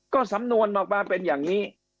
ก็สำนวนออกมาเป็นอย่างนี้